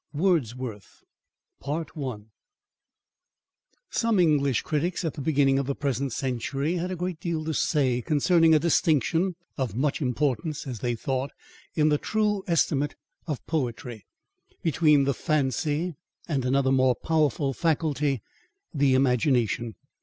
WORDSWORTH SOME English critics at the beginning of the present century had a great deal to say concerning a distinction, of much importance, as they thought, in the true estimate of poetry, between the Fancy, and another more powerful faculty the Imagination.